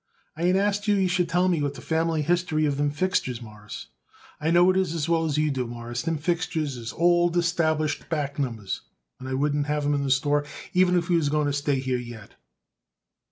"I ain't asked you you should tell me the family history of them fixtures, Mawruss. I know it as well as you do, Mawruss, them fixtures is old established back numbers, and I wouldn't have 'em in the store even if we was going to stay here yet."